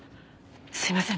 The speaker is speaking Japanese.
すいません